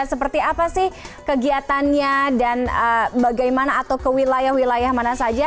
seperti apa sih kegiatannya dan bagaimana atau ke wilayah wilayah mana saja